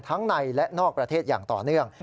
ในและนอกประเทศอย่างต่อเนื่อง